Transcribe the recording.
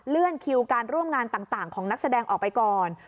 คิวการร่วมงานต่างของนักแสดงออกไปก่อน